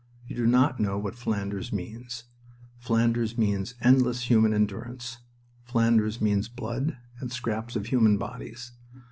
You do not know what Flanders means. Flanders means endless human endurance. Flanders means blood and scraps of human bodies.